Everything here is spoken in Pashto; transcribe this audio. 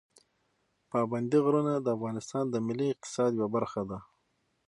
پابندي غرونه د افغانستان د ملي اقتصاد یوه برخه ده.